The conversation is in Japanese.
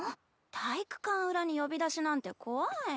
体育館裏に呼び出しなんて怖い。